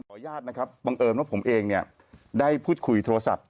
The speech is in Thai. อนุญาตนะครับบังเอิญว่าผมเองเนี่ยได้พูดคุยโทรศัพท์